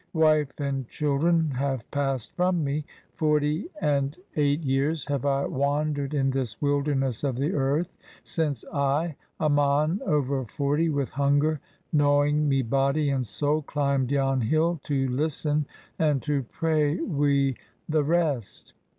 Wife and children have passed from me. Forty and eight years have I wandered in this wilderness of the earth since I, a mon over forty, with hunger gnawing me body and soul, climbed yon hill to listen and to pray wi' the rest.